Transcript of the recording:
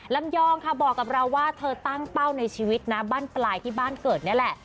ลำยองค่ะบอกกับเราว่าเธอตั้งเป้าในชีวิตนะบ้านปลายที่บ้านเกิดนี่แหละ